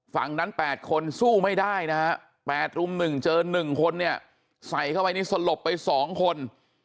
ฝั่งนั้น๘คนสู้ไม่ได้นะฮะ๘รุ่ม๑เจอ๑คนเนี่ยใส่เข้าไปนี่สลบไป๒คน